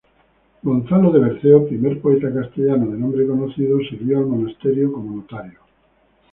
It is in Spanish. Gonzalo de Berceo, primer poeta castellano de nombre conocido, sirvió al monasterio como notario.